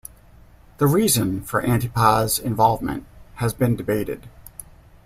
The reason for Antipas' involvement has been debated.